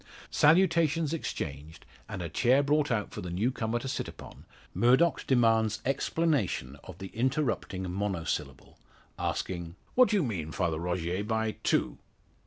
Salutations exchanged, and a chair brought out for the new comer to sit upon, Murdock demands explanation of the interrupting monosyllable, asking: "What do you mean, Father Rogier, by `two'?"